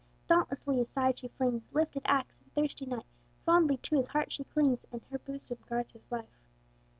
Dauntlessly aside she flings Lifted axe and thirsty knife, Fondly to his heart she clings, And her bosom guards his life!